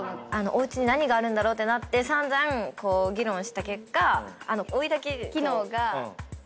おうちに何があるんだろう？ってなって散々議論した結果。